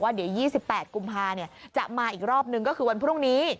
มารอตามที่หลวงพ่อบอก